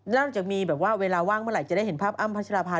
น่าจะมีเวลาว่างเมื่อไหร่จะได้เห็นภาพอ้ำพระชรภา